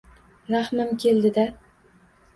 Rahmim keldi-da